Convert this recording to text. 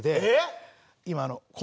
今。